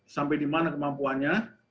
sampai di mana kemampuannya